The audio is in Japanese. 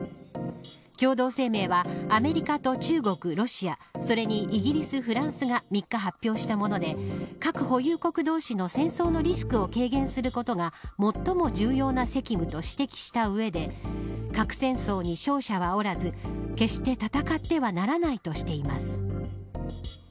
共同声明はアメリカと中国、ロシアそれにイギリス、フランスが３日発表したもので核保有国同士の戦争のリスクを軽減することが最も重要な責務と指摘した上で核戦争に勝者はおらず決して戦ってはならないとしています。